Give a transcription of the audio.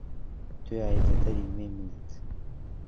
تۆ یاریدەدەری نوێی منیت.